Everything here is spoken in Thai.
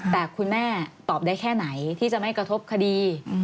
แต่คุณแม่ตอบได้แค่ไหนที่จะไม่กระทบคดี